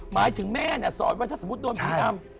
หมายถึงแม่สอนว่าถ้าสมมุติโดนผีอำ